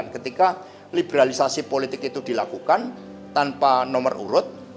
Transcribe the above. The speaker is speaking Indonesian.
ketika liberalisasi politik itu dilakukan tanpa nomor urut